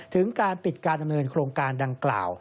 ถึงการปิดการดำเนินโครงการดังกล่าว